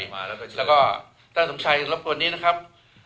จับผมก็ไม่ใช่เท่าไหร่หรอก